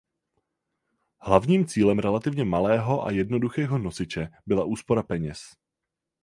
Hlavním cílem relativně malého a jednoduchého nosiče byla úspora peněz.